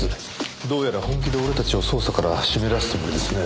どうやら本気で俺たちを捜査から締め出すつもりですね。